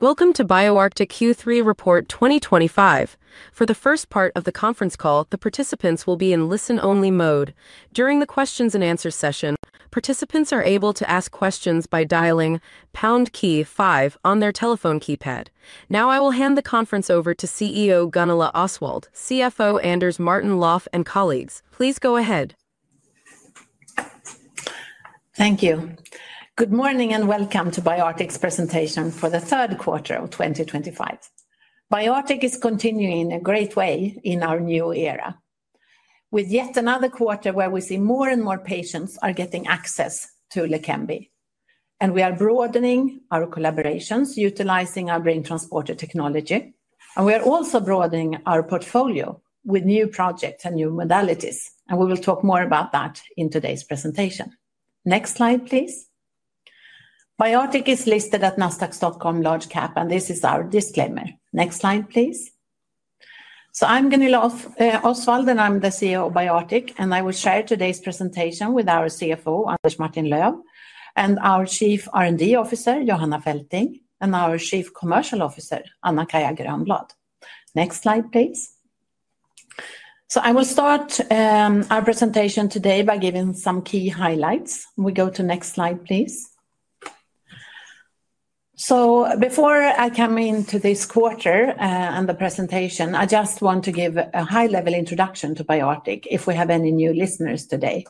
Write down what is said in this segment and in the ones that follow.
Welcome to BioArctic Q3 Report 2025. For the first part of the conference call, the participants will be in listen-only mode. During the Q&A session, participants are able to ask questions by dialing pound key five on their telephone keypad. Now, I will hand the conference over to CEO Gunilla Osswald, CFO Anders Martin-Löf, and colleagues. Please go ahead. Thank you. Good morning and welcome to BioArctic's presentation for the third quarter of 2025. BioArctic is continuing in a great way in our new era, with yet another quarter where we see more and more patients getting access to LEQEMBI. We are broadening our collaborations utilizing our brain transporter technology, and we are also broadening our portfolio with new projects and new modalities. We will talk more about that in today's presentation. Next slide, please. BioArctic is listed at nasdaq.com, large cap, and this is our disclaimer. Next slide, please. I am Gunilla Osswald, and I am the CEO of BioArctic, and I will share today's presentation with our CFO, Anders Martin-Löf, and our Chief R&D Officer, Johanna Fälting, and our Chief Commercial Officer, Anna-Kaija Grönblad. Next slide, please. I will start our presentation today by giving some key highlights. We go to next slide, please. Before I come into this quarter and the presentation, I just want to give a high-level introduction to BioArctic if we have any new listeners today.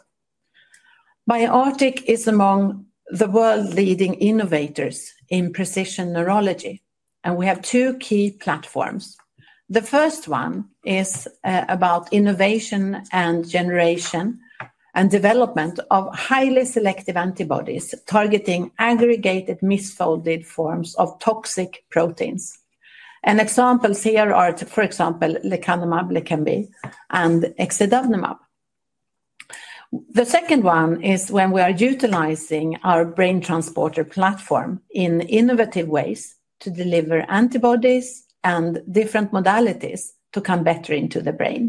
BioArctic is among the world's leading innovators in precision neurology, and we have two key platforms. The first one is about innovation and generation and development of highly selective antibodies targeting aggregated misfolded forms of toxic proteins. Examples here are, for example, LEQEMBI and Exidavnemab. The second one is when we are utilizing our brain transporter platform in innovative ways to deliver antibodies and different modalities to come better into the brain.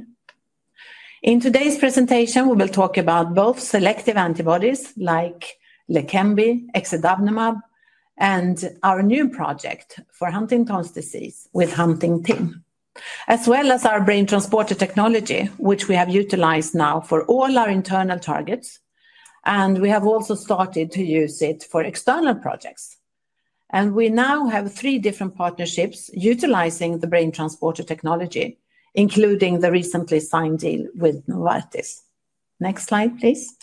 In today's presentation, we will talk about both selective antibodies like LEQEMBI, Exidavnemab, and our new project for Huntington's disease with Huntington, as well as our brain transporter technology, which we have utilized now for all our internal targets. We have also started to use it for external projects. We now have three different partnerships utilizing the brain transporter technology, including the recently signed deal with Novartis. Next slide, please.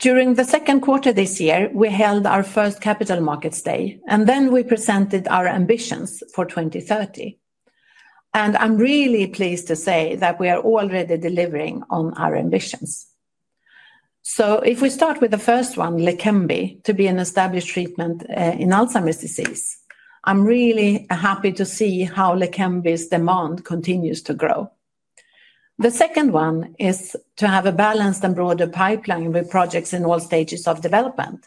During the second quarter this year, we held our first Capital Markets Day, and then we presented our ambitions for 2030. I'm really pleased to say that we are already delivering on our ambitions. If we start with the first one, LEQEMBI, to be an established treatment in Alzheimer's disease, I'm really happy to see how LEQEMBI's demand continues to grow. The second one is to have a balanced and broader pipeline with projects in all stages of development.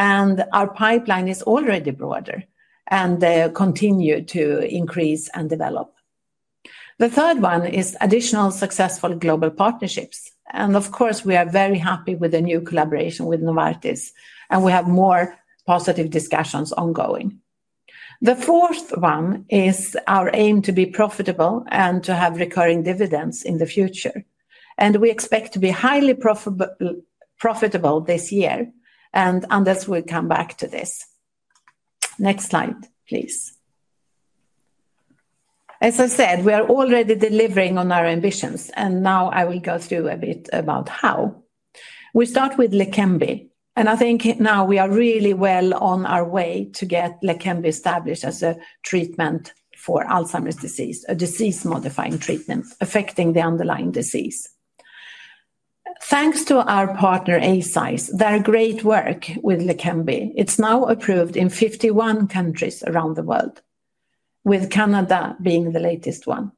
Our pipeline is already broader and continues to increase and develop. The third one is additional successful global partnerships. Of course, we are very happy with the new collaboration with Novartis, and we have more positive discussions ongoing. The fourth one is our aim to be profitable and to have recurring dividends in the future. We expect to be highly profitable this year, and Anders will come back to this. Next slide, please. As I said, we are already delivering on our ambitions, and now I will go through a bit about how. We start with LEQEMBI, and I think now we are really well on our way to get LEQEMBI established as a treatment for Alzheimer's disease, a disease-modifying treatment affecting the underlying disease. Thanks to our partner Eisai, their great work with LEQEMBI, it's now approved in 51 countries around the world, with Canada being the latest one.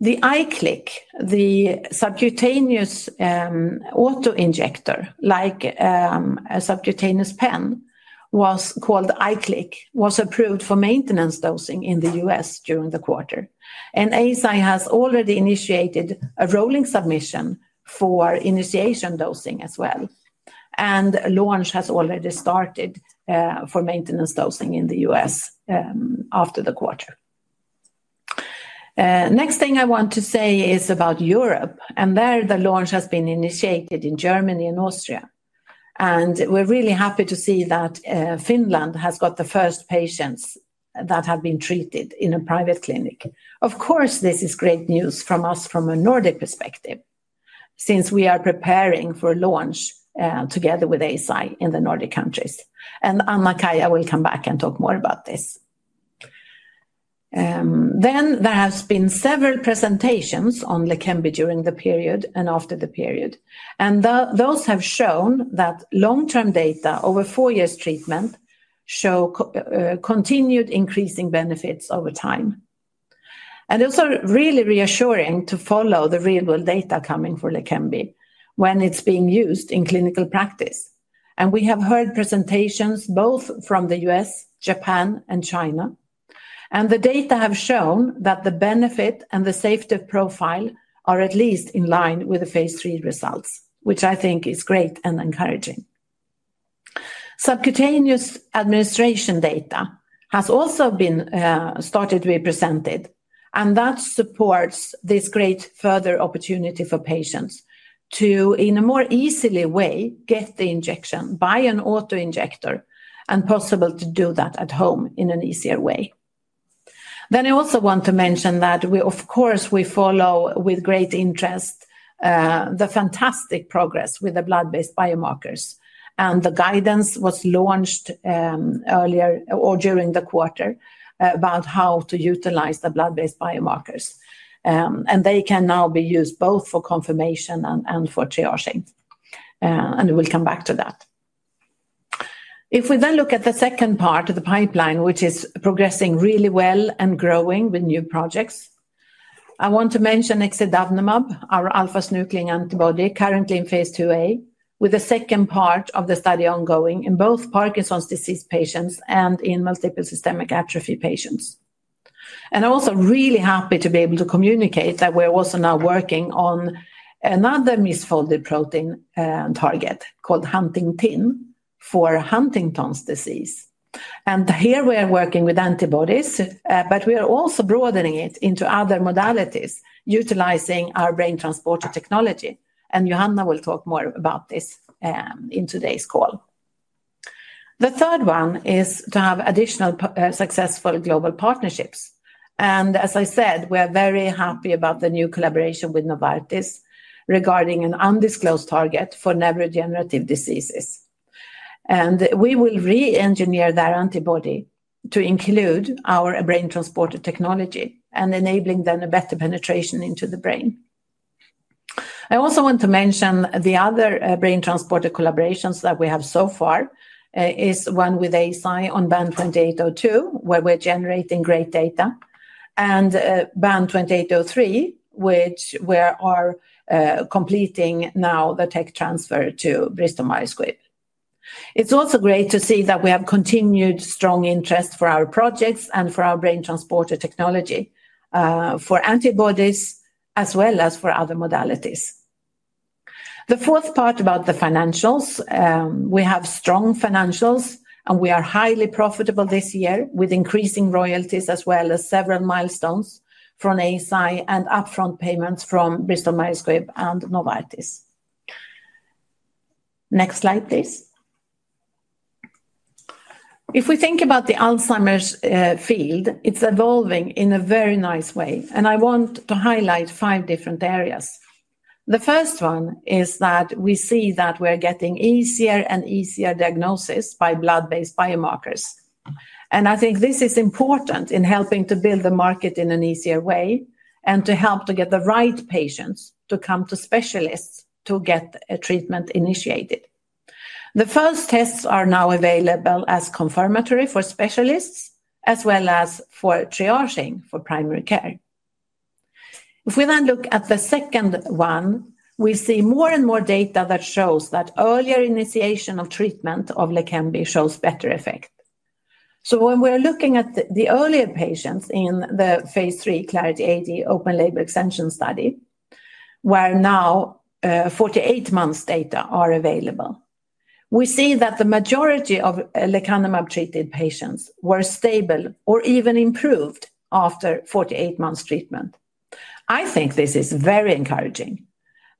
The IQLIK, the subcutaneous auto-injector, like a subcutaneous pen, was called IQLIK, was approved for maintenance dosing in the U.S. during the quarter. Eisai has already initiated a rolling submission for initiation dosing as well, and launch has already started for maintenance dosing in the U.S. after the quarter. Next thing I want to say is about Europe, and there the launch has been initiated in Germany and Austria. We're really happy to see that Finland has got the first patients that have been treated in a private clinic. Of course, this is great news from us from a Nordic perspective since we are preparing for launch together with Eisai in the Nordic countries. Anna-Kaija will come back and talk more about this. There have been several presentations on LEQEMBI during the period and after the period, and those have shown that long-term data over four years' treatment show continued increasing benefits over time. It's also really reassuring to follow the real-world data coming for LEQEMBI when it's being used in clinical practice. We have heard presentations both from the U.S., Japan, and China, and the data have shown that the benefit and the safety profile are at least in line with the phase III results, which I think is great and encouraging. Subcutaneous administration data has also been started to be presented, and that supports this great further opportunity for patients to, in a more easily way, get the injection by an auto-injector and possibly to do that at home in an easier way. I also want to mention that we, of course, follow with great interest the fantastic progress with the blood-based biomarkers, and the guidance was launched earlier or during the quarter about how to utilize the blood-based biomarkers. They can now be used both for confirmation and for triaging, and we'll come back to that. If we then look at the second part of the pipeline, which is progressing really well and growing with new projects, I want to mention Exidavnemab, our alpha-synuclein antibody currently in phase II-A, with a second part of the study ongoing in both Parkinson's disease patients and in multiple system atrophy patients. I'm also really happy to be able to communicate that we're also now working on another misfolded protein target called Huntington for Huntington's disease. Here we are working with antibodies, but we are also broadening it into other modalities utilizing our brain transporter technology, and Johanna will talk more about this in today's call. The third one is to have additional successful global partnerships. As I said, we are very happy about the new collaboration with Novartis regarding an undisclosed target for neurodegenerative diseases. We will re-engineer that antibody to include our brain transporter technology and enabling then a better penetration into the brain. I also want to mention the other brain transporter collaborations that we have so far. One with Eisai on BAN2802, where we're generating great data, and BAN2803, which we are completing now the tech transfer to Bristol Myers Squibb. It's also great to see that we have continued strong interest for our projects and for our brain transporter technology for antibodies as well as for other modalities. The fourth part about the financials, we have strong financials, and we are highly profitable this year with increasing royalties as well as several milestones from Eisai and upfront payments from Bristol Myers Squibb and Novartis. Next slide, please. If we think about the Alzheimer's field, it's evolving in a very nice way, and I want to highlight five different areas. The first one is that we see that we're getting easier and easier diagnosis by blood-based biomarkers. I think this is important in helping to build the market in an easier way and to help to get the right patients to come to specialists to get a treatment initiated. The first tests are now available as confirmatory for specialists as well as for triaging for primary care. If we then look at the second one, we see more and more data that shows that earlier initiation of treatment of LEQEMBI shows better effect. When we're looking at the earlier patients in the phase III Clarity AD open label extension study, where now 48 months' data are available, we see that the majority of LEQEMBI-treated patients were stable or even improved after 48 months' treatment. I think this is very encouraging,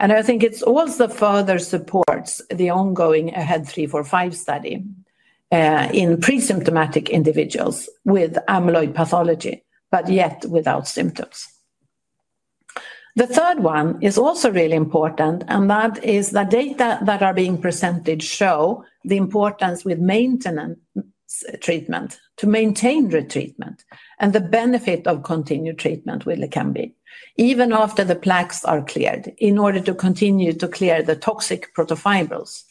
and I think it also further supports the ongoing head 345 study in pre-symptomatic individuals with amyloid pathology, but yet without symptoms. The third one is also really important, and that is the data that are being presented show the importance with maintenance treatment to maintain retreatment and the benefit of continued treatment with LEQEMBI even after the plaques are cleared in order to continue to clear the toxic protofibrils.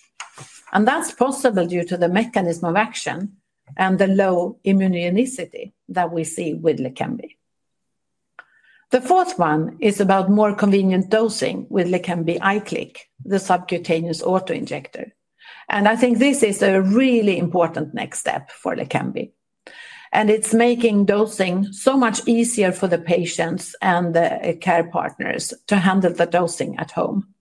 That's possible due to the mechanism of action and the low immunogenicity that we see with LEQEMBI. The fourth one is about more convenient dosing with LEQEMBI IQLIK, the subcutaneous auto-injector. I think this is a really important next step for LEQEMBI, and it's making dosing so much easier for the patients and the care partners to handle the dosing at home.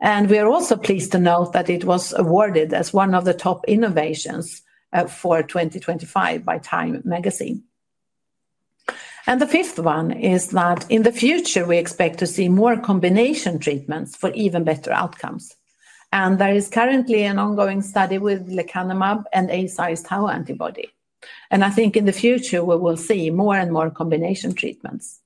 We are also pleased to note that it was awarded as one of the top innovations for 2025 by Time Magazine. The fifth one is that in the future, we expect to see more combination treatments for even better outcomes. There is currently an ongoing study with LEQEMBI and Eisai Tau antibody, and I think in the future we will see more and more combination treatments.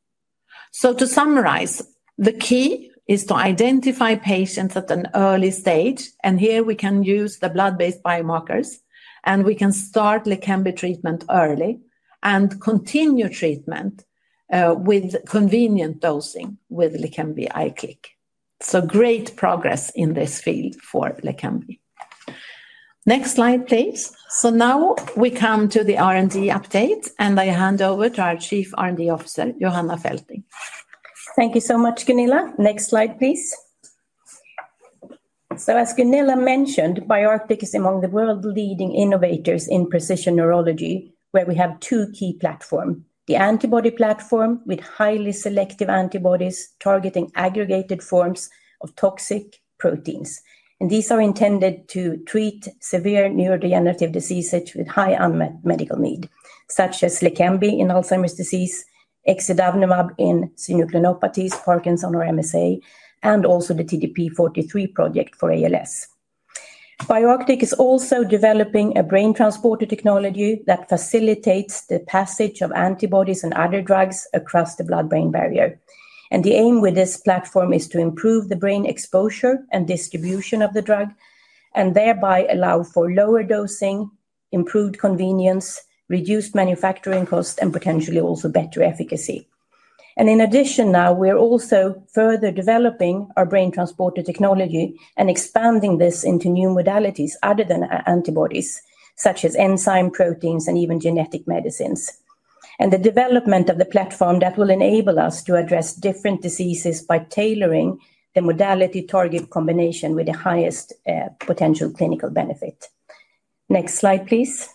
To summarize, the key is to identify patients at an early stage, and here we can use the blood-based biomarkers, and we can start LEQEMBI treatment early and continue treatment with convenient dosing with LEQEMBI IQLIK. Great progress in this field for LEQEMBI. Next slide, please. Now we come to the R&D update, and I hand over to our Chief R&D Officer, Johanna Fälting. Thank you so much, Gunilla. Next slide, please. As Gunilla mentioned, BioArctic is among the world's leading innovators in precision neurology, where we have two key platforms: the antibody platform with highly selective antibodies targeting aggregated forms of toxic proteins. These are intended to treat severe neurodegenerative diseases with high unmet medical need, such as LEQEMBI in Alzheimer's disease, Exidavnemab in synucleinopathies, Parkinson or MSA, and also the TDP-43 project for ALS. BioArctic is also developing a brain transporter technology that facilitates the passage of antibodies and other drugs across the blood-brain barrier. The aim with this platform is to improve the brain exposure and distribution of the drug, and thereby allow for lower dosing, improved convenience, reduced manufacturing costs, and potentially also better efficacy. In addition, now we are also further developing our brain transporter technology and expanding this into new modalities other than antibodies, such as enzyme proteins and even genetic medicines, and the development of the platform that will enable us to address different diseases by tailoring the modality target combination with the highest potential clinical benefit. Next slide, please.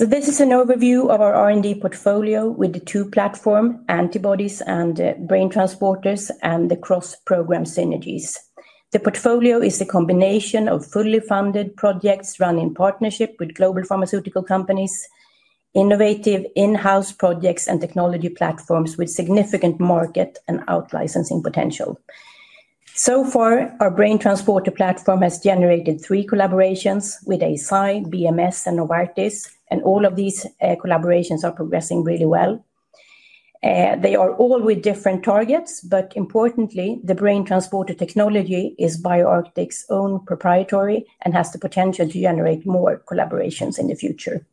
This is an overview of our R&D portfolio with the two platforms, antibodies and brain transporters, and the cross-program synergies. The portfolio is a combination of fully funded projects run in partnership with global pharmaceutical companies, innovative in-house projects, and technology platforms with significant market and out-licensing potential. So far, our brain transporter platform has generated three collaborations with Eisai, Bristol Myers Squibb, and Novartis, and all of these collaborations are progressing really well. They are all with different targets, but importantly, the brain transporter technology is BioArctic's own proprietary and has the potential to generate more collaborations in the future.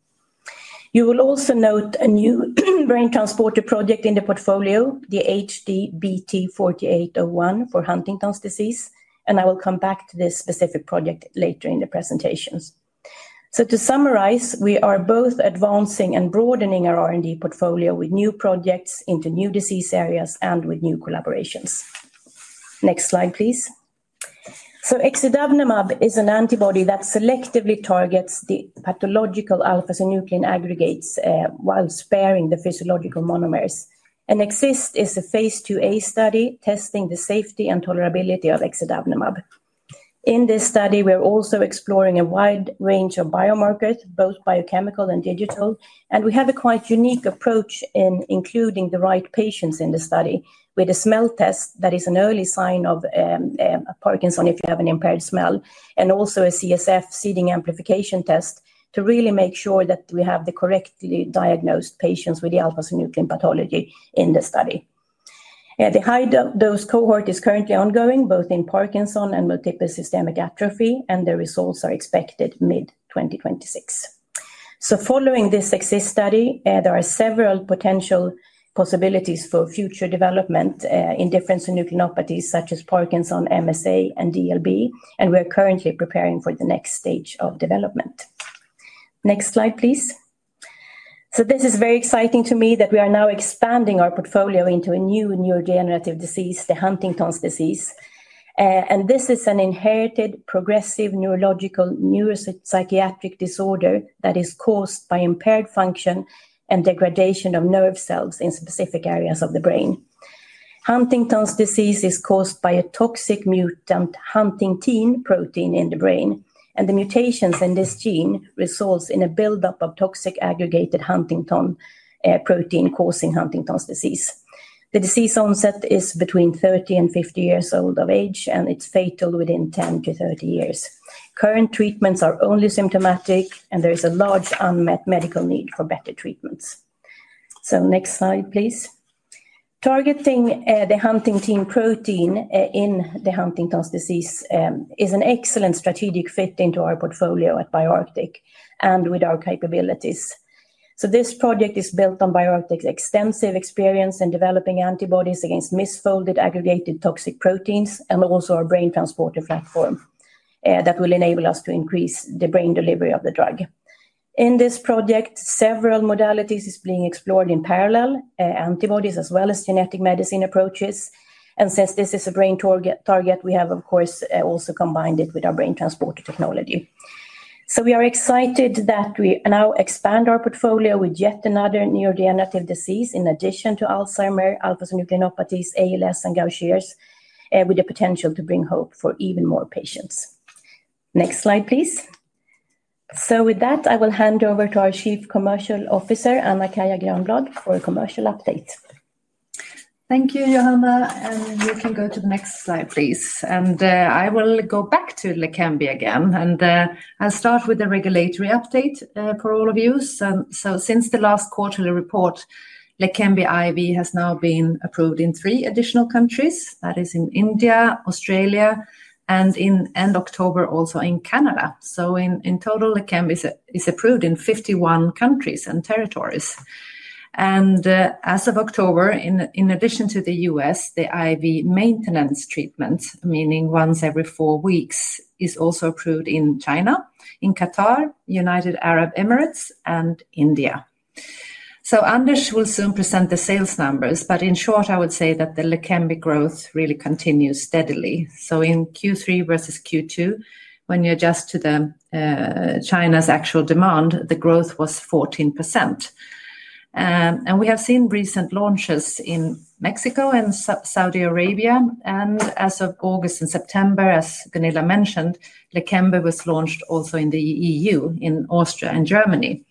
You will also note a new brain transporter project in the portfolio, the HDBT 4801 for Huntington's disease, and I will come back to this specific project later in the presentations. To summarize, we are both advancing and broadening our R&D portfolio with new projects into new disease areas and with new collaborations. Next slide, please. Exidavnemab is an antibody that selectively targets the pathological alpha-synuclein aggregates while sparing the physiological monomers, and Exist is a phase II-A study testing the safety and tolerability of Exidavnemab. In this study, we're also exploring a wide range of biomarkers, both biochemical and digital, and we have a quite unique approach in including the right patients in the study with a smell test that is an early sign of Parkinson if you have an impaired smell, and also a CSF seeding amplification test to really make sure that we have the correctly diagnosed patients with the alpha-synuclein pathology in the study. The high-dose cohort is currently ongoing both in Parkinson and multiple system atrophy, and the results are expected mid-2026. Following this Exist study, there are several potential possibilities for future development in different synucleinopathies such as Parkinson, MSA, and DLB, and we're currently preparing for the next stage of development. Next slide, please. This is very exciting to me that we are now expanding our portfolio into a new neurodegenerative disease, the Huntington's disease, and this is an inherited progressive neurological neuropsychiatric disorder that is caused by impaired function and degradation of nerve cells in specific areas of the brain. Huntington's disease is caused by a toxic mutant Huntington protein in the brain, and the mutations in this gene result in a buildup of toxic aggregated Huntington protein causing Huntington's disease. The disease onset is between 30 and 50 years of age, and it's fatal within 10-30 years. Current treatments are only symptomatic, and there is a large unmet medical need for better treatments. Next slide, please. Targeting the Huntington protein in the Huntington's disease is an excellent strategic fit into our portfolio at BioArctic and with our capabilities. This project is built on BioArctic's extensive experience in developing antibodies against misfolded aggregated toxic proteins and also our brain transporter platform that will enable us to increase the brain delivery of the drug. In this project, several modalities are being explored in parallel: antibodies as well as genetic medicine approaches. Since this is a brain target, we have, of course, also combined it with our brain transporter technology. We are excited that we now expand our portfolio with yet another neurodegenerative disease in addition to Alzheimer, alpha-synucleinopathies, ALS, and Gauchers, with the potential to bring hope for even more patients. Next slide, please. With that, I will hand over to our Chief Commercial Officer, Anna-Kaija Grönblad, for a commercial update. Thank you, Johanna, and you can go to the next slide, please. I will go back to LEQEMBI again, and I'll start with the regulatory update for all of you. Since the last quarterly report, LEQEMBI IV has now been approved in three additional countries. That is in India, Australia, and in end October, also in Canada. In total, LEQEMBI is approved in 51 countries and territories. As of October, in addition to the U.S., the IV maintenance treatment, meaning once every four weeks, is also approved in China, in Qatar, United Arab Emirates, and India. Anders will soon present the sales numbers, but in short, I would say that the LEQEMBI growth really continues steadily. In Q3 versus Q2, when you adjust to China's actual demand, the growth was 14%. We have seen recent launches in Mexico and Saudi Arabia, and as of August and September, as Gunilla mentioned, LEQEMBI was launched also in the EU, in Austria and Germany,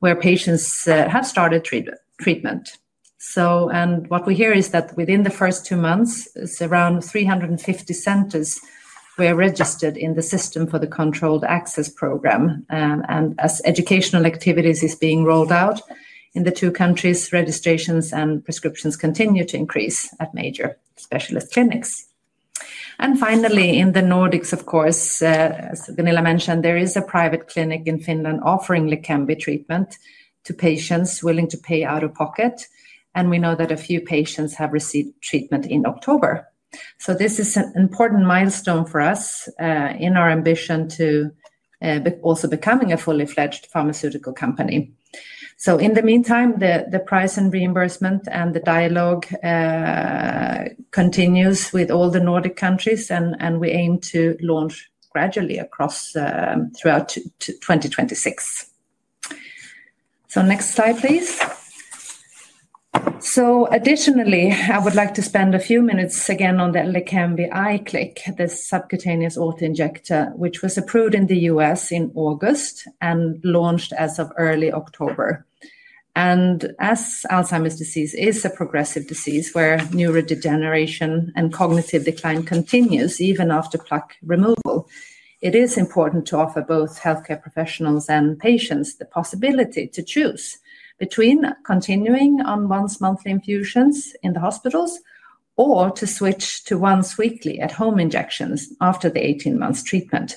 where patients have started treatment. What we hear is that within the first two months, around 350 centers were registered in the system for the controlled access program, and as educational activities are being rolled out in the two countries, registrations and prescriptions continue to increase at major specialist clinics. Finally, in the Nordics, of course, as Gunilla mentioned, there is a private clinic in Finland offering LEQEMBI treatment to patients willing to pay out of pocket, and we know that a few patients have received treatment in October. This is an important milestone for us in our ambition to also become a fully fledged pharmaceutical company. In the meantime, the price and reimbursement and the dialogue continues with all the Nordic countries, and we aim to launch gradually across throughout 2026. Next slide, please. Additionally, I would like to spend a few minutes again on the LEQEMBI IQLIK, this subcutaneous auto-injector, which was approved in the U.S. in August and launched as of early October. As Alzheimer's disease is a progressive disease where neurodegeneration and cognitive decline continues even after plaque removal, it is important to offer both healthcare professionals and patients the possibility to choose between continuing on once-monthly infusions in the hospitals or to switch to once-weekly at-home injections after the 18-month treatment.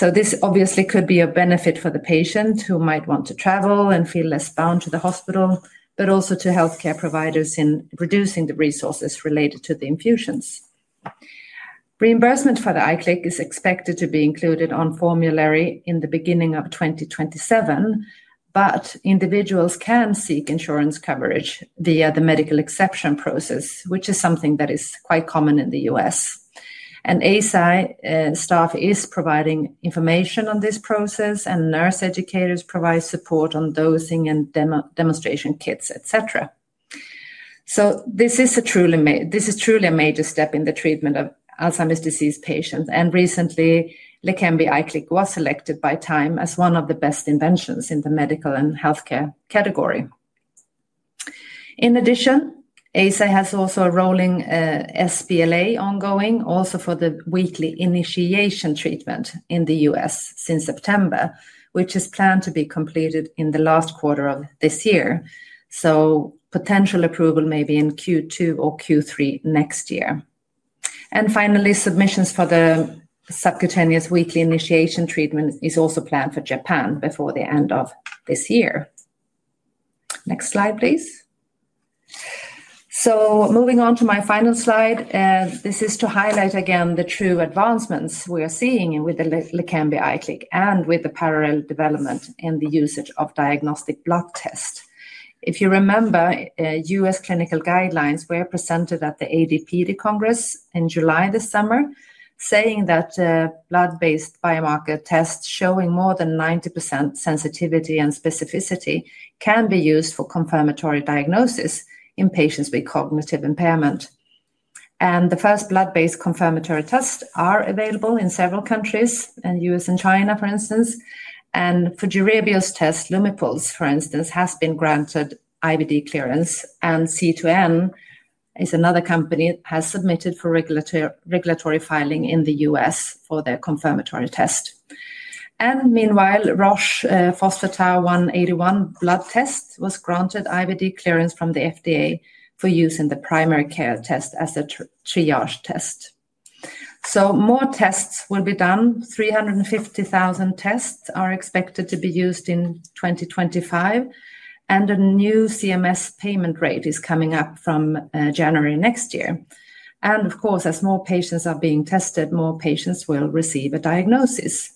This obviously could be a benefit for the patient who might want to travel and feel less bound to the hospital, but also to healthcare providers in reducing the resources related to the infusions. Reimbursement for the IQLIK is expected to be included on formulary in the beginning of 2027, but individuals can seek insurance coverage via the medical exception process, which is something that is quite common in the U.S.. ASIC staff is providing information on this process, and nurse educators provide support on dosing and demonstration kits, etc. This is truly a major step in the treatment of Alzheimer's disease patients, and recently, LEQEMBI IQLIK was selected by Time as one of the best inventions in the medical and healthcare category. In addition, ASIC has also a rolling SPLA ongoing, also for the weekly initiation treatment in the U.S. since September, which is planned to be completed in the last quarter of this year. Potential approval may be in Q2 or Q3 next year. Finally, submissions for the subcutaneous weekly initiation treatment are also planned for Japan before the end of this year. Next slide, please. Moving on to my final slide, this is to highlight again the true advancements we are seeing with the LEQEMBI IQLIK and with the parallel development in the usage of diagnostic blood tests. If you remember, U.S. clinical guidelines were presented at the ADPD Congress in July this summer, saying that blood-based biomarker tests showing more than 90% sensitivity and specificity can be used for confirmatory diagnosis in patients with cognitive impairment. The first blood-based confirmatory tests are available in several countries, in the U.S. and China, for instance, and for Fujirebio's test, Lumipulse, for instance, has been granted IVD clearance, and C2N is another company that has submitted for regulatory filing in the U.S. for their confirmatory test. Meanwhile, Roche Phospho-Tau 181 blood test was granted IVD clearance from the FDA for use in the primary care test as a triage test. More tests will be done. 350,000 tests are expected to be used in 2025, and a new CMS payment rate is coming up from January next year. Of course, as more patients are being tested, more patients will receive a diagnosis.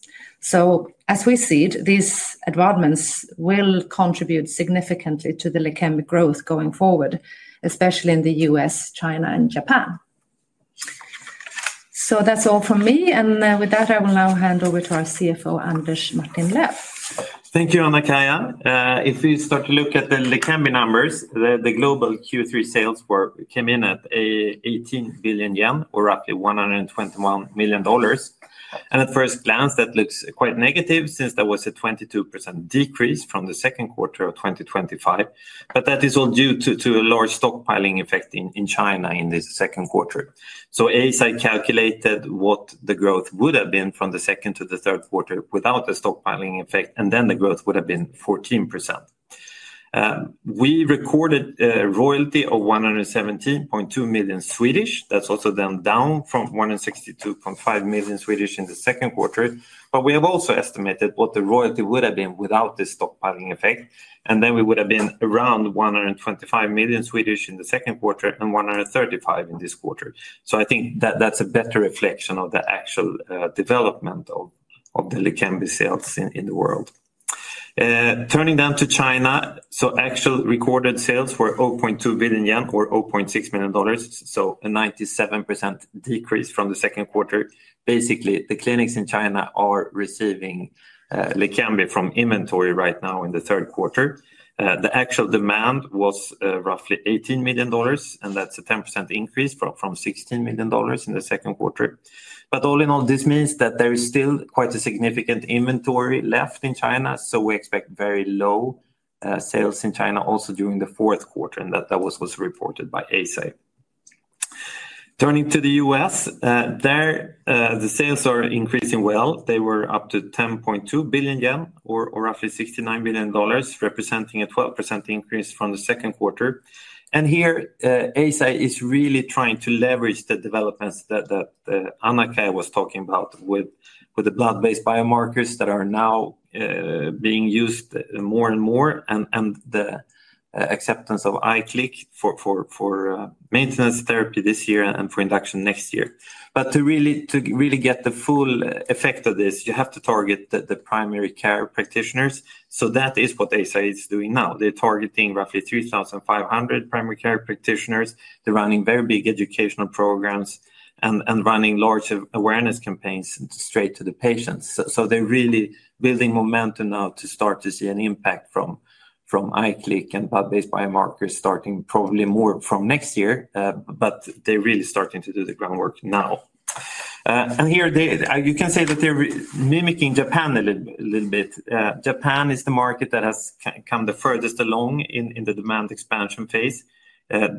As we see, these advancements will contribute significantly to the LEQEMBI growth going forward, especially in the U.S., China, and Japan. That is all from me, and with that, I will now hand over to our CFO, Anders Martin-Löf. Thank you, Anna-Kaija. If we start to look at the LEQEMBI numbers, the global Q3 sales came in at 18 billion yen, or roughly $121 million. At first glance, that looks quite negative since there was a 22% decrease from the second quarter of 2025, but that is all due to a large stockpiling effect in China in this second quarter. ASIC calculated what the growth would have been from the second to the third quarter without the stockpiling effect, and then the growth would have been 14%. We recorded a royalty of 117.2 million. That's also then down from 162.5 million in the second quarter, but we have also estimated what the royalty would have been without the stockpiling effect, and then we would have been around 125 million in the second quarter and 135 million in this quarter. I think that that's a better reflection of the actual development of the LEQEMBI sales in the world. Turning down to China, actual recorded sales were 0.2 billion yen, or $0.6 million, so a 97% decrease from the second quarter. Basically, the clinics in China are receiving LEQEMBI from inventory right now in the third quarter. The actual demand was roughly $18 million, and that's a 10% increase from $16 million in the second quarter. All in all, this means that there is still quite a significant inventory left in China, so we expect very low sales in China also during the fourth quarter, and that was reported by ASIC. Turning to the U.S., there the sales are increasing well. They were up to 10.2 billion yen, or roughly $69 million, representing a 12% increase from the second quarter. Here, BioArctic is really trying to leverage the developments that Anna-Kaija was talking about with the blood-based biomarkers that are now being used more and more, and the acceptance of IQLIK for maintenance therapy this year and for induction next year. To really get the full effect of this, you have to target the primary care practitioners. That is what BioArctic is doing now. They're targeting roughly 3,500 primary care practitioners. They're running very big educational programs and running large awareness campaigns straight to the patients. They're really building momentum now to start to see an impact from IQLIK and blood-based biomarkers starting probably more from next year, but they're really starting to do the groundwork now. Here, you can say that they're mimicking Japan a little bit. Japan is the market that has come the furthest along in the demand expansion phase.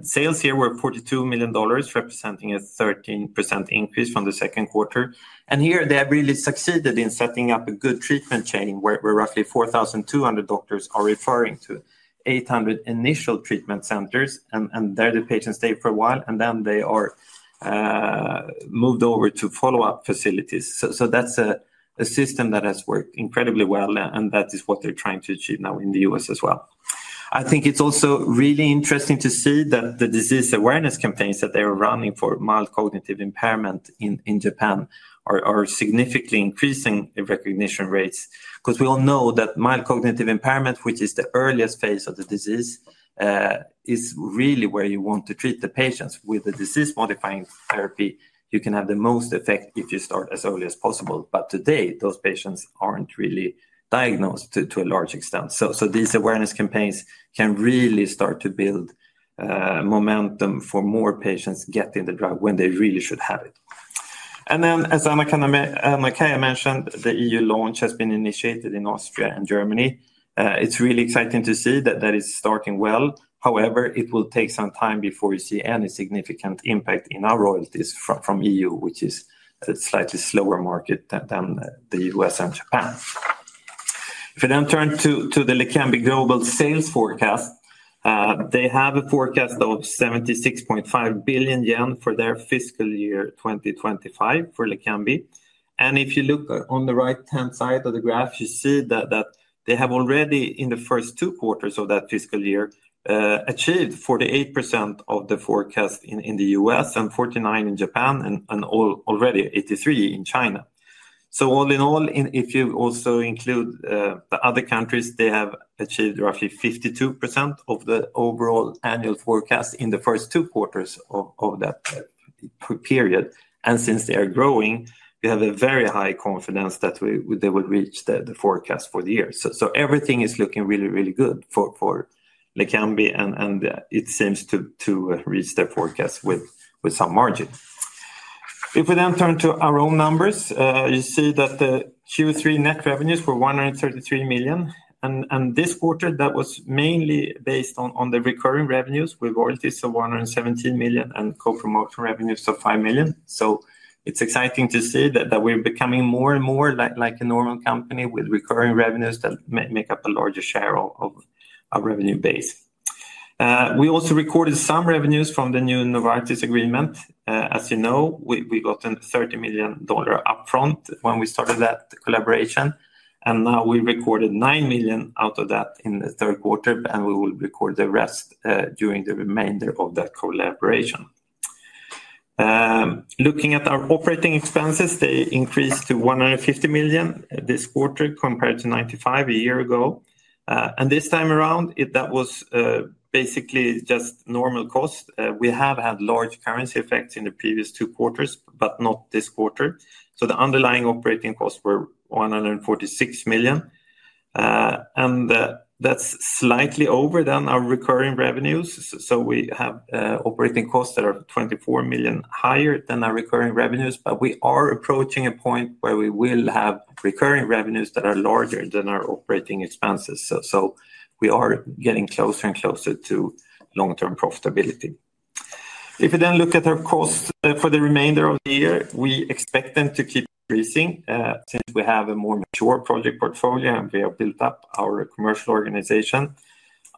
Sales here were $42 million, representing a 13% increase from the second quarter. Here, they have really succeeded in setting up a good treatment chain where roughly 4,200 doctors are referring to 800 initial treatment centers, and there the patients stay for a while, and then they are moved over to follow-up facilities. That is a system that has worked incredibly well, and that is what they are trying to achieve now in the U.S. as well. I think it is also really interesting to see that the disease awareness campaigns that they are running for mild cognitive impairment in Japan are significantly increasing recognition rates, because we all know that mild cognitive impairment, which is the earliest phase of the disease, is really where you want to treat the patients with the disease-modifying therapy. You can have the most effect if you start as early as possible, but today, those patients aren't really diagnosed to a large extent. These awareness campaigns can really start to build momentum for more patients getting the drug when they really should have it. As Anna-Kaija Grönblad mentioned, the EU launch has been initiated in Austria and Germany. It's really exciting to see that that is starting well. However, it will take some time before you see any significant impact in our royalties from the EU, which is a slightly slower market than the U.S. and Japan. If we then turn to the LEQEMBI Global Sales Forecast, they have a forecast of 76.5 billion yen for their fiscal year 2025 for LEQEMBI. If you look on the right-hand side of the graph, you see that they have already, in the first two quarters of that fiscal year, achieved 48% of the forecast in the U.S. and 49% in Japan, and already 83% in China. All in all, if you also include the other countries, they have achieved roughly 52% of the overall annual forecast in the first two quarters of that period. Since they are growing, we have a very high confidence that they will reach the forecast for the year. Everything is looking really, really good for LEQEMBI, and it seems to reach their forecast with some margin. If we then turn to our own numbers, you see that the Q3 net revenues were 133 million, and this quarter, that was mainly based on the recurring revenues with royalties of 117 million and co-promotion revenues of 5 million. It's exciting to see that we're becoming more and more like a normal company with recurring revenues that make up a larger share of our revenue base. We also recorded some revenues from the new Novartis agreement. As you know, we got $30 million upfront when we started that collaboration, and now we recorded $9 million out of that in the third quarter, and we will record the rest during the remainder of that collaboration. Looking at our operating expenses, they increased to 150 million this quarter compared to 95 million a year ago. This time around, that was basically just normal cost. We have had large currency effects in the previous two quarters, but not this quarter. The underlying operating costs were 146 million, and that's slightly over than our recurring revenues. We have operating costs that are 24 million higher than our recurring revenues, but we are approaching a point where we will have recurring revenues that are larger than our operating expenses. We are getting closer and closer to long-term profitability. If we look at our costs for the remainder of the year, we expect them to keep increasing since we have a more mature project portfolio and we have built up our commercial organization.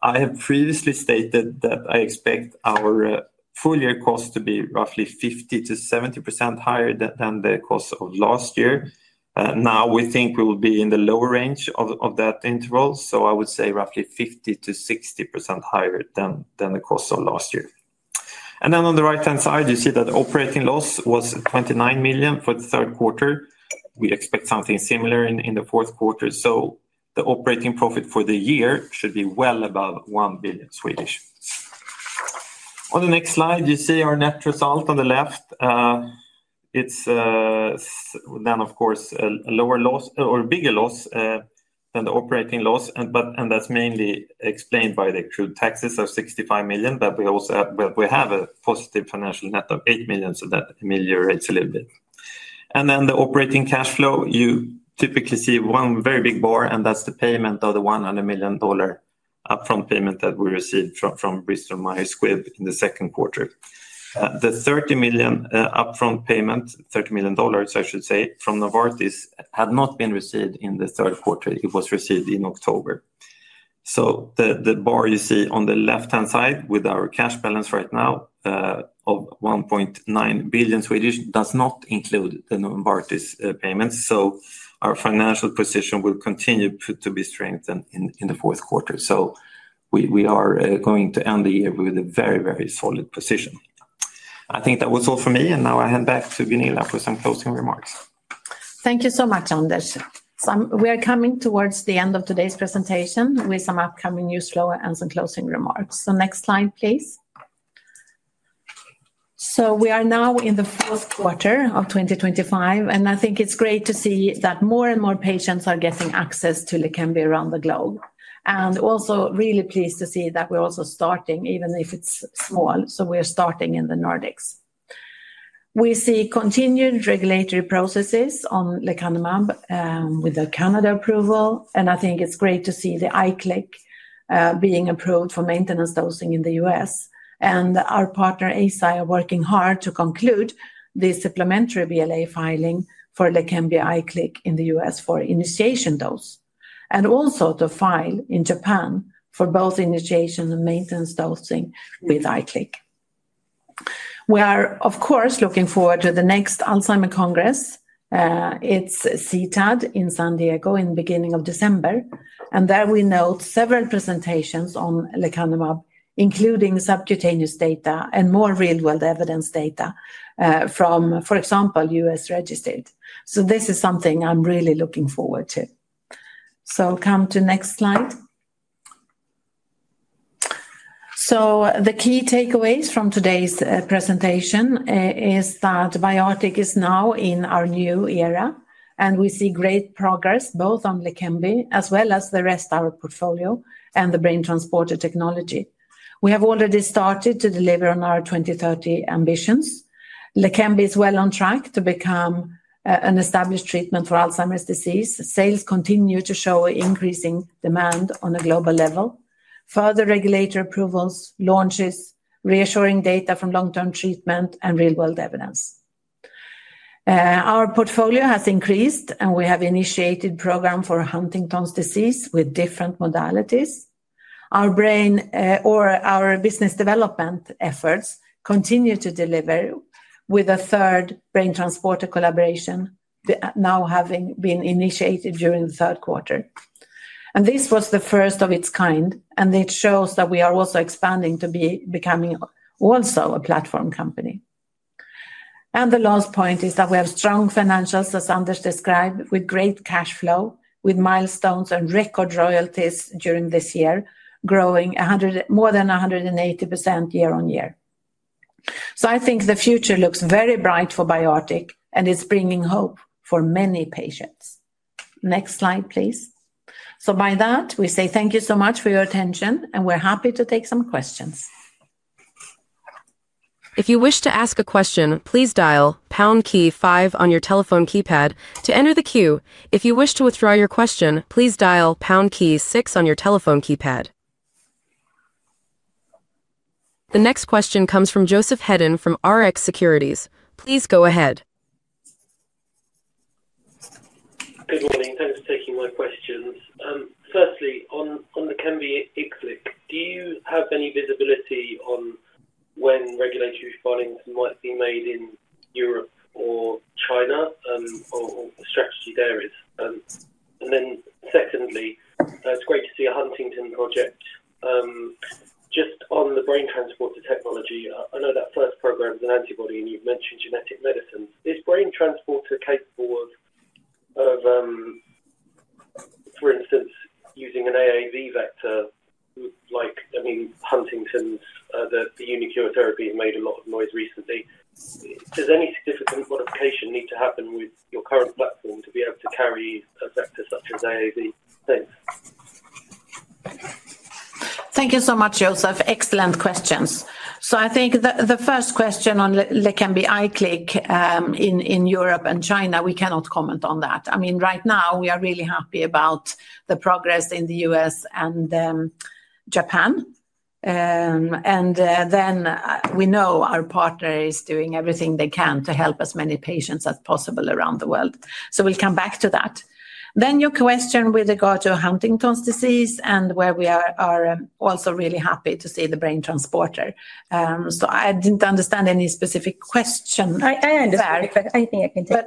I have previously stated that I expect our full-year cost to be roughly 50%-70% higher than the cost of last year. Now, we think we will be in the lower range of that interval, so I would say roughly 50%-60% higher than the cost of last year. On the right-hand side, you see that operating loss was 29 million for the third quarter. We expect something similar in the fourth quarter, so the operating profit for the year should be well above 1 billion. On the next slide, you see our net result on the left. It is then, of course, a lower loss or bigger loss than the operating loss, but that is mainly explained by the accrued taxes of 65 million, but we have a positive financial net of 8 million, so that ameliorates a little bit. The operating cash flow, you typically see one very big bar, and that is the payment of the $100 million upfront payment that we received from Bristol Myers Squibb in the second quarter. The $30 million upfront payment, $30 million, I should say, from Novartis had not been received in the third quarter. It was received in October. The bar you see on the left-hand side with our cash balance right now of 1.9 billion does not include the Novartis payments, so our financial position will continue to be strengthened in the fourth quarter. We are going to end the year with a very, very solid position. I think that was all for me, and now I hand back to Gunilla for some closing remarks. Thank you so much, Anders. We are coming towards the end of today's presentation with some upcoming news flow and some closing remarks. Next slide, please. We are now in the fourth quarter of 2025, and I think it is great to see that more and more patients are getting access to LEQEMBI around the globe. Also, really pleased to see that we are also starting, even if it is small, so we are starting in the Nordics. We see continued regulatory processes on LEQEMBI with the Canada approval, and I think it's great to see the IQLIK being approved for maintenance dosing in the U.S.. Our partner, Eisai, are working hard to conclude the supplementary BLA filing for LEQEMBI IQLIK in the U.S. for initiation dose, and also to file in Japan for both initiation and maintenance dosing with IQLIK. We are, of course, looking forward to the next Alzheimer's Congress. It's CTAD in San Diego in the beginning of December, and there we note several presentations on LEQEMBI, including subcutaneous data and more real-world evidence data from, for example, U.S. registered. This is something I'm really looking forward to. Come to the next slide. The key takeaways from today's presentation are that BioArctic is now in our new era, and we see great progress both on LEQEMBI as well as the rest of our portfolio and the brain transporter technology. We have already started to deliver on our 2030 ambitions. LEQEMBI is well on track to become an established treatment for Alzheimer's disease. Sales continue to show increasing demand on a global level. Further regulator approvals, launches, reassuring data from long-term treatment, and real-world evidence. Our portfolio has increased, and we have initiated a program for Huntington's disease with different modalities. Our brain or our business development efforts continue to deliver with a third brain transporter collaboration now having been initiated during the third quarter. This was the first of its kind, and it shows that we are also expanding to becoming also a platform company. The last point is that we have strong financials, as Anders described, with great cash flow, with milestones and record royalties during this year, growing more than 180% year on year. I think the future looks very bright for BioArctic, and it's bringing hope for many patients. Next slide, please. By that, we say thank you so much for your attention, and we're happy to take some questions. If you wish to ask a question, please dial pound key five on your telephone keypad to enter the queue. If you wish to withdraw your question, please dial pound key six on your telephone keypad. The next question comes from Joseph Hedden from Rx Securities. Please go ahead. Good morning. Thanks for taking my questions. Firstly, on the LEQEMBI IQLIK, do you have any visibility on when regulatory filings might be made in Europe or China, or what the strategy there is? Then, secondly, it's great to see a Huntington project. Just on the brain transporter technology, I know that first program is an antibody, and you've mentioned genetic medicine. Is brain transporter capable of, for instance, using an AAV vector like Huntington's? The UniQure therapy has made a lot of noise recently. Does any significant modification need to happen with your current platform to be able to carry a vector such as AAV? Thanks. Thank you so much, Joseph. Excellent questions. I think the first question on LEQEMBI IQLIK in Europe and China, we cannot comment on that. I mean, right now, we are really happy about the progress in the U.S. and Japan. We know our partner is doing everything they can to help as many patients as possible around the world, so we'll come back to that. Your question with regard to Huntington's disease and where we are, also really happy to see the brain transporter. I didn't understand any specific question. I understand. If there's anything I can take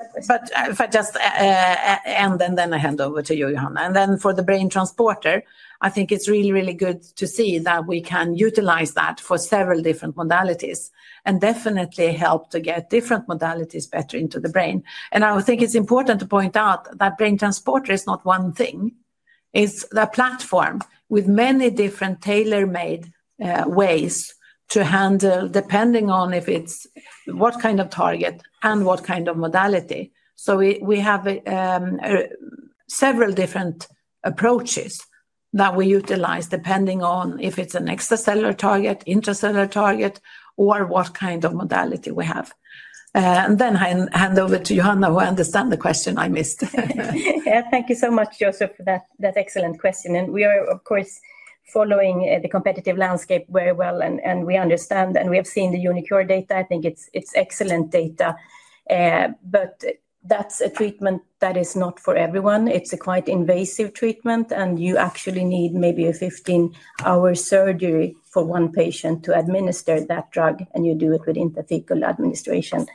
up. Just end, and then I hand over to you, Johanna. For the brain transporter, I think it's really, really good to see that we can utilize that for several different modalities and definitely help to get different modalities better into the brain. I think it's important to point out that brain transporter is not one thing. It's the platform with many different tailor-made ways to handle, depending on what kind of target and what kind of modality. We have several different approaches that we utilize, depending on if it's an extracellular target, intracellular target, or what kind of modality we have. I hand over to Johanna, who understands the question I missed. Thank you so much, Joseph, for that excellent question. We are, of course, following the competitive landscape very well, and we understand, and we have seen the uniQure data. I think it's excellent data, but that's a treatment that is not for everyone. It's a quite invasive treatment, and you actually need maybe a 15-hour surgery for one patient to administer that drug, and you do it with intrathecal administration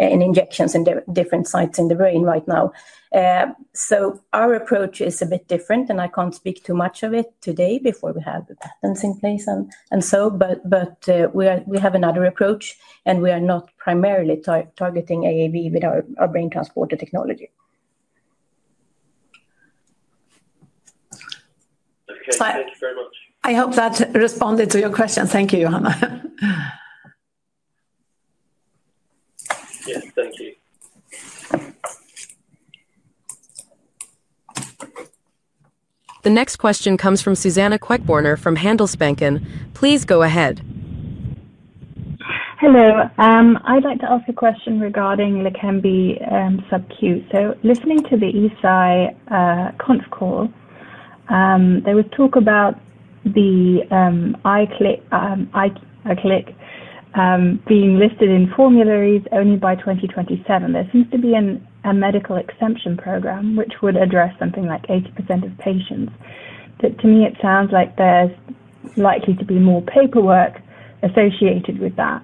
and injections in different sites in the brain right now. Our approach is a bit different, and I can't speak too much of it today before we have the patents in place and so, but we have another approach, and we are not primarily targeting AAV with our brain transporter technology. Okay. Thank you very much. I hope that responded to your question. Thank you, Johanna. Yes, thank you. The next question comes from Suzanna Queckbörner from Handelsbanken. Please go ahead. Hello. I'd like to ask a question regarding LEQEMBI subQ. Listening to the Eisai Conference Call, there was talk about the IQLIK being listed in formularies only by 2027. There seems to be a medical exemption program which would address something like 80% of patients. To me, it sounds like there's likely to be more paperwork associated with that,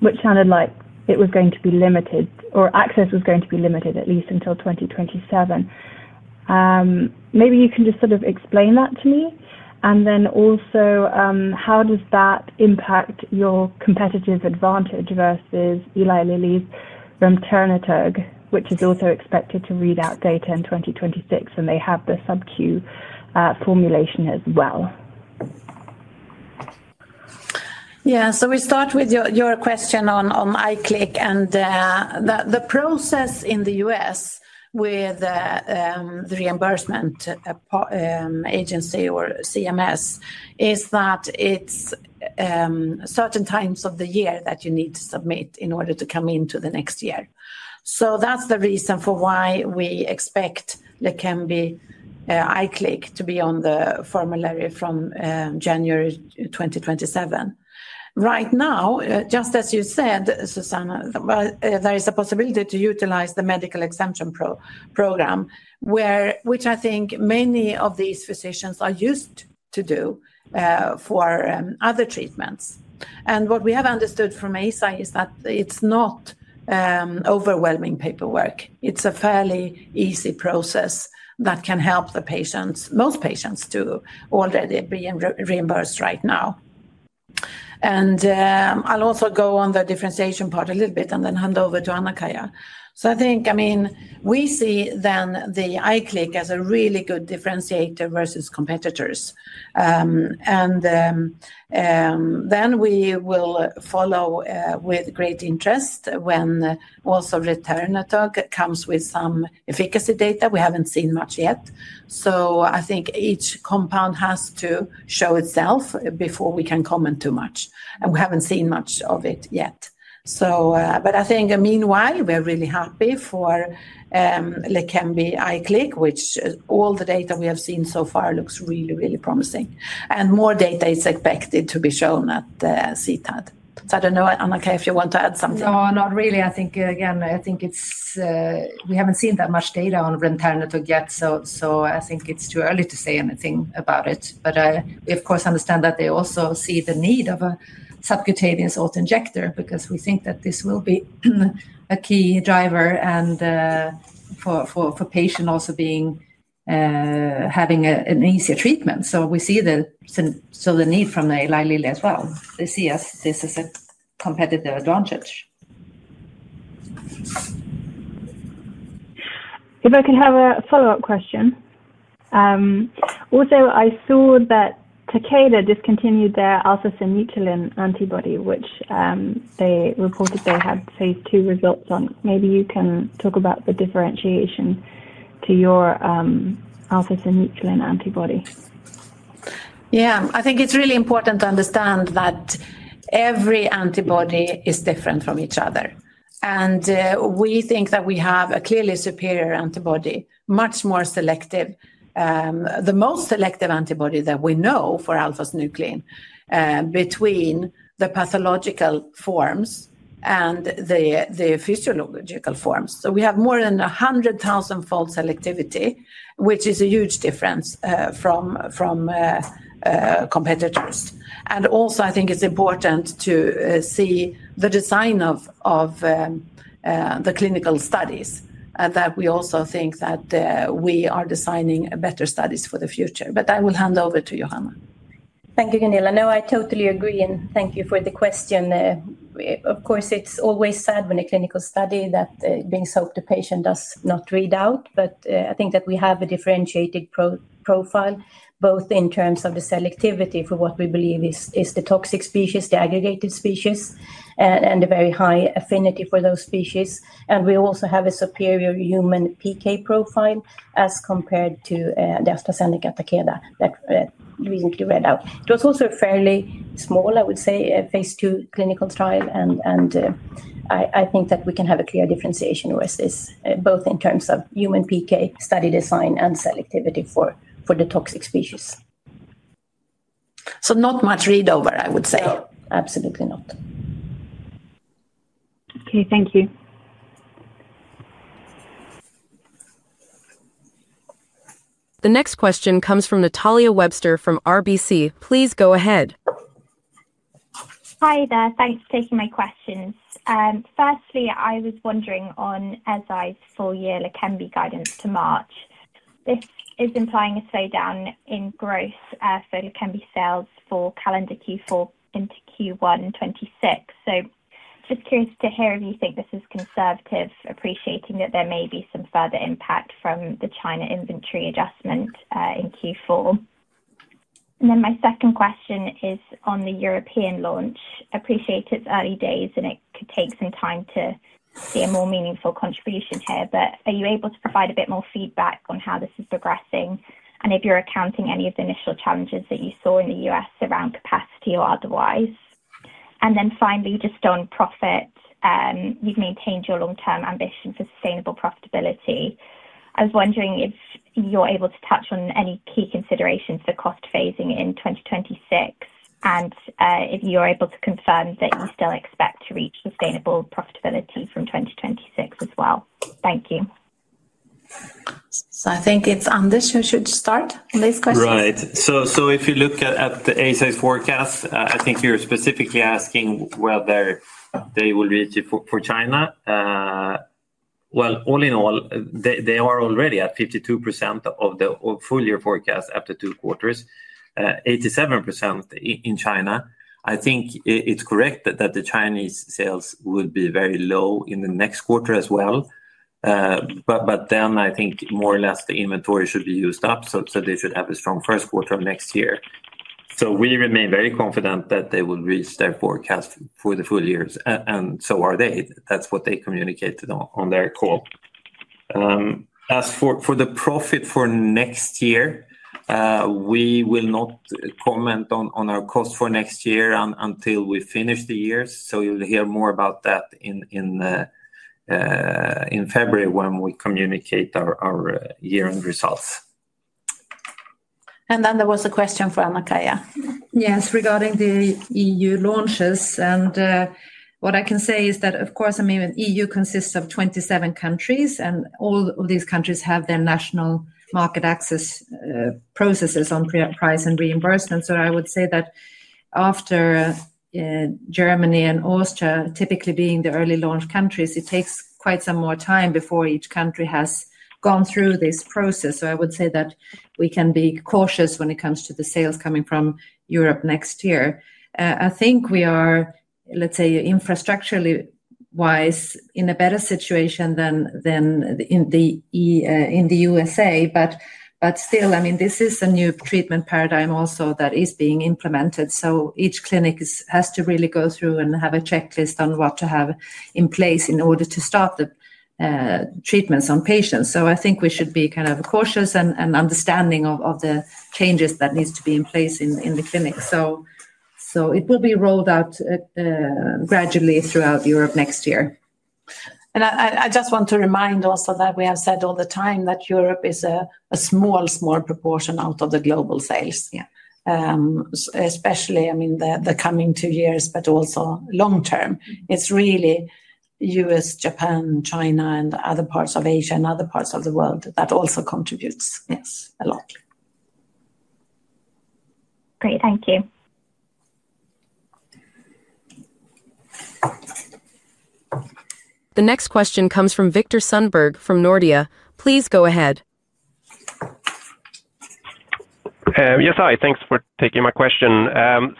which sounded like it was going to be limited or access was going to be limited at least until 2027. Maybe you can just sort of explain that to me, and then also how does that impact your competitive advantage versus Eli Lilly's Remternetug, which is also expected to read out data in 2026, and they have the subQ formulation as well. Yeah. We start with your question on IQLIK, and the process in the U.S. with the reimbursement agency or CMS is that it's certain times of the year that you need to submit in order to come into the next year. That's the reason for why we expect LEQEMBI IQLIK to be on the formulary from January 2027. Right now, just as you said, Suzanna, there is a possibility to utilize the medical exemption program, which I think many of these physicians are used to do for other treatments. What we have understood from Eisai is that it's not overwhelming paperwork. It's a fairly easy process that can help most patients to already be reimbursed right now. I'll also go on the differentiation part a little bit and then hand over to Anna-Kaija. I think, I mean, we see then the IQLIK as a really good differentiator versus competitors. We will follow with great interest when also Ternaturg comes with some efficacy data. We haven't seen much yet, so I think each compound has to show itself before we can comment too much, and we haven't seen much of it yet. I think meanwhile, we are really happy for LEQEMBI IQLIK, which all the data we have seen so far looks really, really promising, and more data is expected to be shown at CTAD. I do not know, Anna-Kaija, if you want to add something. No, not really. I think, again, I think we have not seen that much data on Remternetug yet, so I think it is too early to say anything about it. We, of course, understand that they also see the need of a subcutaneous autoinjector because we think that this will be a key driver for patients also having an easier treatment. We see the need from Eli Lilly as well. They see this as a competitive advantage. If I can have a follow-up question. Also, I saw that Takeda discontinued their alpha-synuclein antibody, which they reported they had, say, two results on. Maybe you can talk about the differentiation to your alpha-synuclein antibody. Yeah. I think it's really important to understand that every antibody is different from each other, and we think that we have a clearly superior antibody, much more selective, the most selective antibody that we know for alpha-synuclein between the pathological forms and the physiological forms. We have more than 100,000-fold selectivity, which is a huge difference from competitors. Also, I think it's important to see the design of the clinical studies and that we also think that we are designing better studies for the future. I will hand over to Johanna. Thank you, Gunilla. No, I totally agree, and thank you for the question. Of course, it's always sad when a clinical study that brings hope to patients does not read out, but I think that we have a differentiated profile both in terms of the selectivity for what we believe is the toxic species, the aggregated species, and the very high affinity for those species. We also have a superior human PK profile as compared to the AstraZeneca Takeda that recently read out. It was also a fairly small, I would say, phase II clinical trial, and I think that we can have a clear differentiation versus both in terms of human PK study design and selectivity for the toxic species. Not much read over, I would say. No, absolutely not. Okay. Thank you. The next question comes from Natalia Webster from RBC. Please go ahead. Hi, there. Thanks for taking my questions. Firstly, I was wondering on Eisai's full-year LEQEMBI guidance to March. This is implying a slowdown in growth for LEQEMBI sales for calendar Q4 into Q1 2026. Just curious to hear if you think this is conservative, appreciating that there may be some further impact from the China inventory adjustment in Q4. My second question is on the European launch. Appreciate its early days, and it could take some time to see a more meaningful contribution here, but are you able to provide a bit more feedback on how this is progressing and if you're accounting any of the initial challenges that you saw in the U.S. around capacity or otherwise? Finally, just on profit, you've maintained your long-term ambition for sustainable profitability. I was wondering if you're able to touch on any key considerations for cost phasing in 2026 and if you are able to confirm that you still expect to reach sustainable profitability from 2026 as well. Thank you. I think it's Anders who should start on these questions. Right. If you look at the ASI's forecast, I think you're specifically asking whether they will reach it for China. All in all, they are already at 52% of the full-year forecast after two quarters, 87% in China. I think it's correct that the Chinese sales would be very low in the next quarter as well, but I think more or less the inventory should be used up, so they should have a strong first quarter next year. We remain very confident that they will reach their forecast for the full years, and so are they. That's what they communicated on their call. As for the profit for next year, we will not comment on our cost for next year until we finish the year, so you'll hear more about that in February when we communicate our year-end results. There was a question for Anna-Kaija. Yes, regarding the EU launches. What I can say is that, of course, I mean, EU consists of 27 countries, and all of these countries have their national market access processes on price and reimbursement. I would say that after Germany and Austria, typically being the early launch countries, it takes quite some more time before each country has gone through this process. I would say that we can be cautious when it comes to the sales coming from Europe next year. I think we are, let's say, infrastructurally wise in a better situation than in the U.S., but still, I mean, this is a new treatment paradigm also that is being implemented. Each clinic has to really go through and have a checklist on what to have in place in order to start the treatments on patients. I think we should be kind of cautious and understanding of the changes that need to be in place in the clinic. It will be rolled out gradually throughout Europe next year. I just want to remind also that we have said all the time that Europe is a small, small proportion out of the global sales, especially, I mean, the coming two years, but also long term. It is really U.S., Japan, China, and other parts of Asia and other parts of the world that also contributes, yes, a lot. Great. Thank you. The next question comes from Viktor Sundberg from Nordea. Please go ahead. Yes, hi. Thanks for taking my question.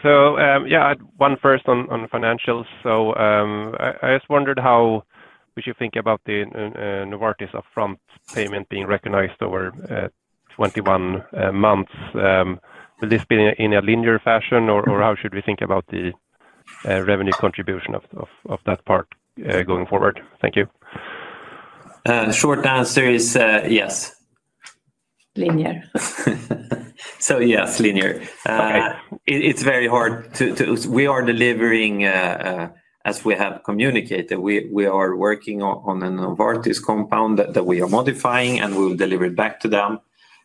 So, yeah, I had one first on financials. I just wondered how would you think about the Novartis upfront payment being recognized over 21 months? Will this be in a linear fashion, or how should we think about the revenue contribution of that part going forward? Thank you. Short answer is yes. Linear. Yes, linear. It's very hard to—we are delivering, as we have communicated, we are working on a Novartis compound that we are modifying, and we will deliver it back to them,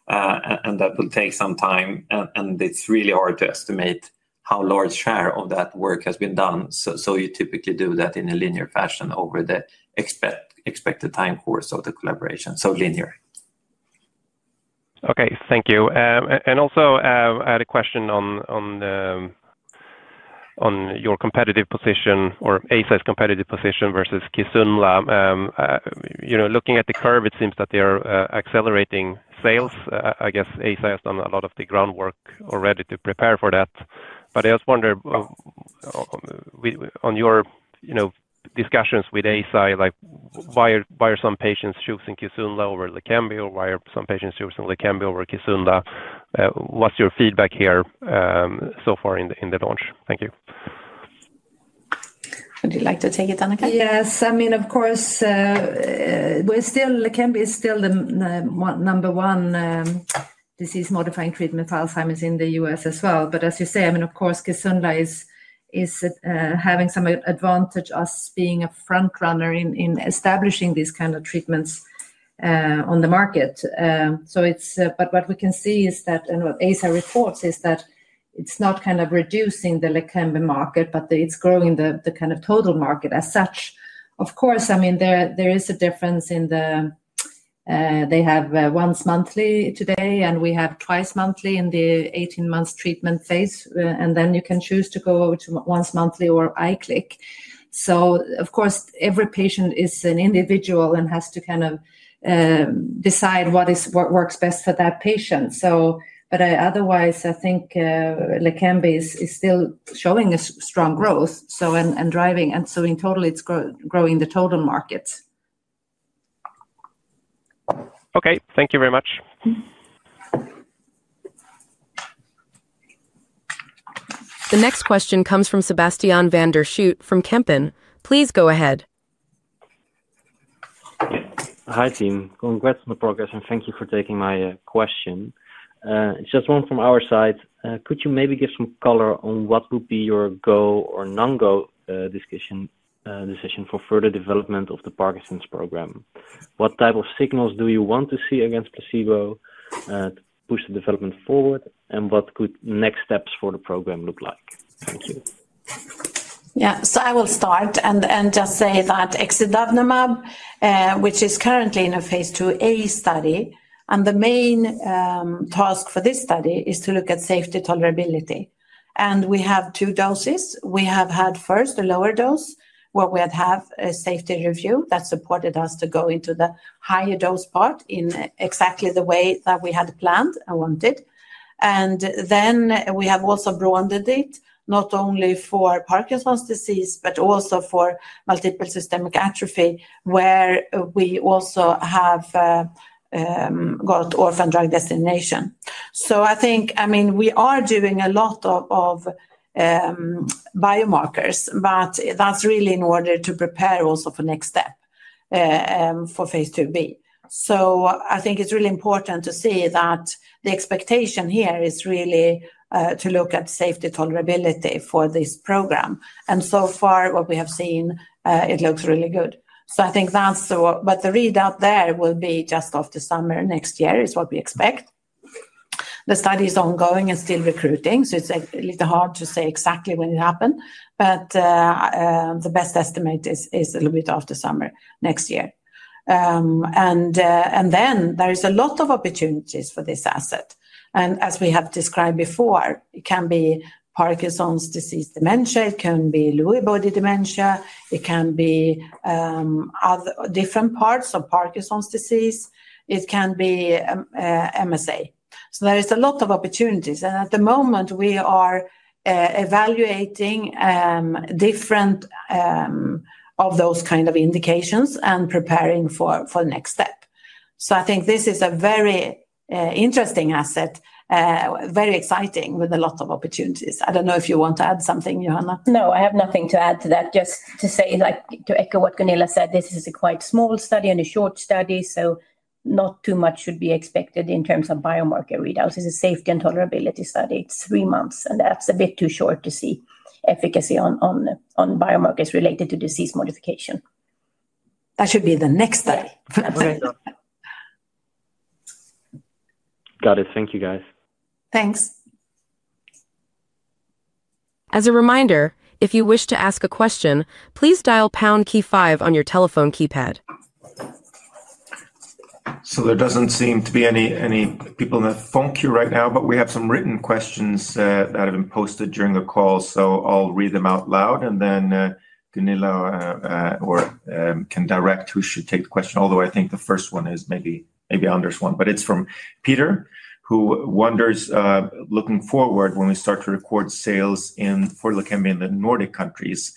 and that will take some time, and it's really hard to estimate how large a share of that work has been done. You typically do that in a linear fashion over the expected time course of the collaboration. Linear. Okay. Thank you. Also, I had a question on your competitive position or Eisai's competitive position versus Kisunla. Looking at the curve, it seems that they are accelerating sales. I guess Eisai has done a lot of the groundwork already to prepare for that. I just wonder on your discussions with Eisai, why are some patients choosing Kisunla over LEQEMBI, or why are some patients choosing LEQEMBI over Kisunla? What's your feedback here so far in the launch? Thank you. Would you like to take it, Anna-Kaija? Yes. I mean, of course, LEQEMBI is still the number one disease-modifying treatment for Alzheimer's in the U.S. as well. As you say, I mean, of course, Kisunla is having some advantage as being a front runner in establishing these kinds of treatments on the market. What we can see is that, and what Eisai reports is that it is not kind of reducing the LEQEMBI market, but it is growing the kind of total market as such. Of course, I mean, there is a difference in the—they have once monthly today, and we have twice monthly in the 18-month treatment phase, and then you can choose to go over to once monthly or IQLIK. Of course, every patient is an individual and has to kind of decide what works best for that patient. Otherwise, I think LEQEMBI is still showing a strong growth and driving. In total, it is growing the total markets. Okay. Thank you very much. The next question comes from Sebastiaan van der Schoot from Kempen. Please go ahead. Hi, team. Congrats on the progress, and thank you for taking my question. Just one from our side. Could you maybe give some color on what would be your go or non-go decision for further development of the Parkinson's program? What type of signals do you want to see against placebo to push the development forward, and what could next steps for the program look like? Thank you. Yeah. I will start and just say that Exidavnemab, which is currently in a phase II-A study, and the main task for this study is to look at safety tolerability. We have two doses. We have had first a lower dose where we had a safety review that supported us to go into the higher dose part in exactly the way that we had planned and wanted. We have also broadened it not only for Parkinson's disease, but also for multiple system atrophy where we also have got orphan drug designation. I think, I mean, we are doing a lot of biomarkers, but that is really in order to prepare also for next step for phase II-B. I think it is really important to see that the expectation here is really to look at safety tolerability for this program. So far, what we have seen, it looks really good. I think that is—but the readout there will be just after summer next year is what we expect. The study is ongoing and still recruiting, so it is a little hard to say exactly when it happened, but the best estimate is a little bit after summer next year. There is a lot of opportunities for this asset. As we have described before, it can be Parkinson's disease dementia, it can be Lewy body dementia, it can be different parts of Parkinson's disease, it can be MSA. There is a lot of opportunities. At the moment, we are evaluating different of those kinds of indications and preparing for the next step. I think this is a very interesting asset, very exciting with a lot of opportunities. I do not know if you want to add something, Johanna. No, I have nothing to add to that. Just to say, to echo what Gunilla said, this is a quite small study and a short study, so not too much should be expected in terms of biomarker readouts. It is a safety and tolerability study. It is three months, and that is a bit too short to see efficacy on biomarkers related to disease modification. That should be the next study. Got it. Thank you, guys. Thanks. As a reminder, if you wish to ask a question, please dial pound key five on your telephone keypad. There does not seem to be any people in the phone queue right now, but we have some written questions that have been posted during the call, so I will read them out loud, and then Gunilla can direct who should take the question. Although I think the first one is maybe Anders' one, but it is from Peter who wonders, looking forward, when we start to record sales for LEQEMBI in the Nordic countries,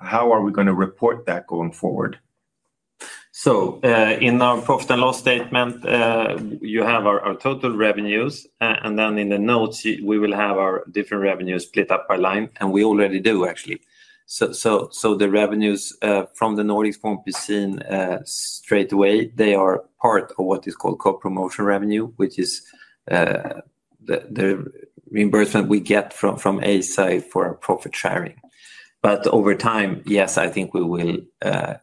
how are we going to report that going forward? In our profit and loss statement, you have our total revenues, and then in the notes, we will have our different revenues split up by line, and we already do, actually. The revenues from the Nordics will not be seen straight away. They are part of what is called co-promotion revenue, which is the reimbursement we get from Eisai for our profit sharing. Over time, yes, I think we will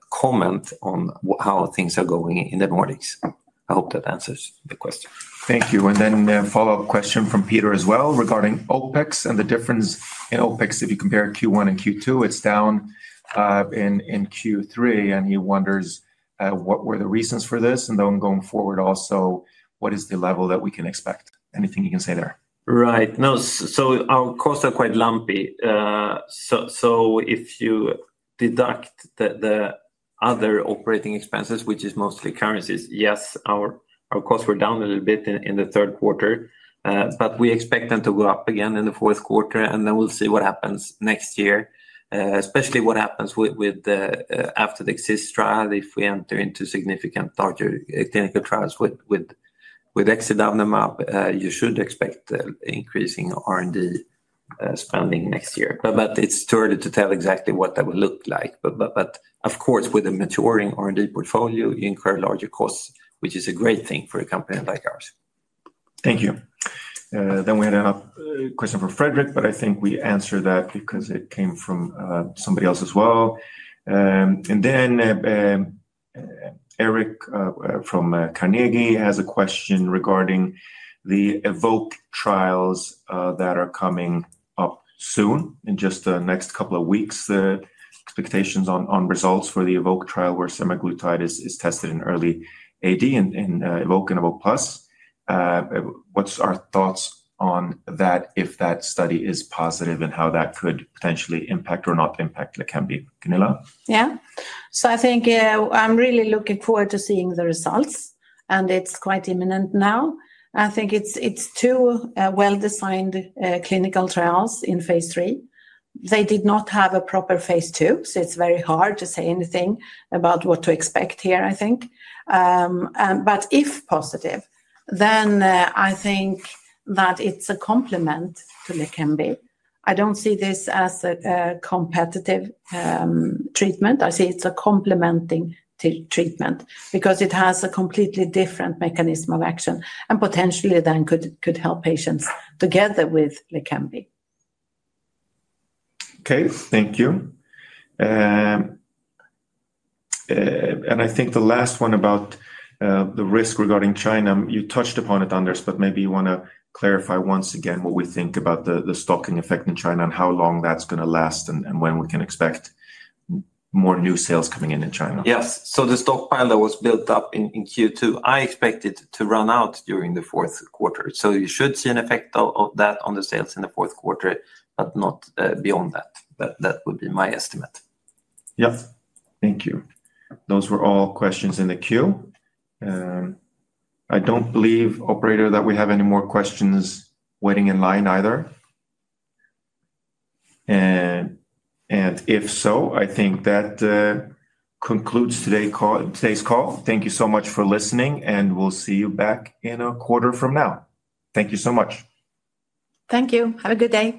comment on how things are going in the Nordics. I hope that answers the question. Thank you. A follow-up question from Peter as well regarding OpEx and the difference in OpEx. If you compare Q1 and Q2, it is down in Q3, and he wonders what were the reasons for this, and going forward also, what is the level that we can expect? Anything you can say there? Right. No, our costs are quite lumpy. If you deduct the other operating expenses, which is mostly currencies, yes, our costs were down a little bit in the third quarter, but we expect them to go up again in the fourth quarter, and then we will see what happens next year, especially what happens after the EXIST trial. If we enter into significant larger clinical trials with Exidavnemab, you should expect increasing R&D spending next year. It's too early to tell exactly what that would look like. Of course, with a maturing R&D portfolio, you incur larger costs, which is a great thing for a company like ours. Thank you. We had a question from Frederick, but I think we answered that because it came from somebody else as well. Eric from Carnegie has a question regarding the EVOKE trials that are coming up soon in just the next couple of weeks. The expectations on results for the EVOKE trial where semaglutide is tested in early AD in EVOKE and EVOKE Plus. What's our thoughts on that if that study is positive and how that could potentially impact or not impact LEQEMBI? Gunilla? Yeah. I think I'm really looking forward to seeing the results, and it's quite imminent now. I think it's two well-designed clinical trials in phase III. They did not have a proper phase II, so it's very hard to say anything about what to expect here, I think. If positive, then I think that it's a complement to LEQEMBI. I don't see this as a competitive treatment. I see it's a complementing treatment because it has a completely different mechanism of action and potentially then could help patients together with LEQEMBI. Okay. Thank you. I think the last one about the risk regarding China, you touched upon it, Anders, but maybe you want to clarify once again what we think about the stocking effect in China and how long that's going to last and when we can expect more new sales coming in in China. Yes. The stockpile that was built up in Q2, I expected to run out during the fourth quarter. You should see an effect of that on the sales in the fourth quarter, but not beyond that. That would be my estimate. Yep. Thank you. Those were all questions in the queue. I do not believe, operator, that we have any more questions waiting in line either. If so, I think that concludes today's call. Thank you so much for listening, and we will see you back in a quarter from now. Thank you so much. Thank you. Have a good day.